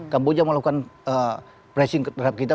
kamboja melakukan pressing terhadap kita